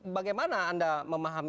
bagaimana anda memahami